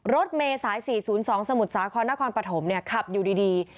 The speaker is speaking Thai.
รถเมย์สาย๔๐๒สมุทรศาสตร์คอนนาคอนประถมเนี่ยขับอยู่ดี